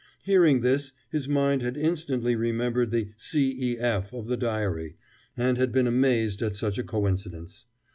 Hearing this, his mind had instantly remembered the "C. E. F." of the diary, and had been amazed at such a coincidence.